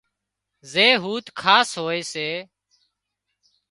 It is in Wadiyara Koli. زي هوٿ خاص هوئي سي